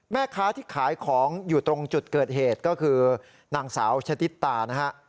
แม่ค้าที่ขายของอยู่ตรงจุดเกิดเหตุก็คือนางสาวชะติตานะฮะ